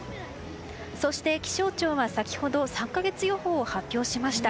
そして、気象庁は先ほど３か月予報を発表しました。